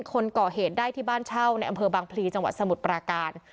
คนก่อเหตุได้ที่บ้านเช่าในอำเภอบางพลีจังหวัดสมุทรปราการ